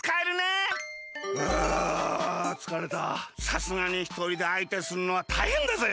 さすがにひとりであいてするのはたいへんだぜ。